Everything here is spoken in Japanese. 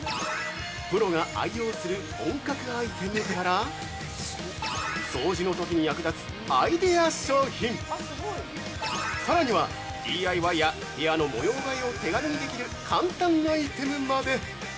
プロが愛用する本格アイテムから掃除のときに役立つアイデア商品さらには、ＤＩＹや部屋の模様替えを手軽にできる簡単アイテムまで！